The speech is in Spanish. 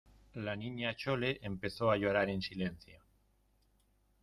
la Niña Chole empezó a llorar en silencio